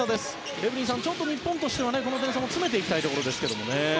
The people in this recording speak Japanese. エブリンさん、日本としてはこの点差を詰めていきたいところですね。